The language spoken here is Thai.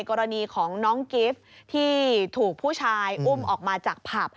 กรณีของน้องกิฟต์ที่ถูกผู้ชายอุ้มออกมาจากผับ